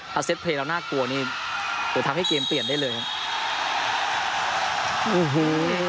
ถ้าเซ็ตเพลย์เราน่ากลัวจะทำให้เกมรับเปลี่ยนได้เลยครับ